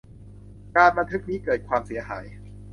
การบันทึกนี้เกิดความเสียหาย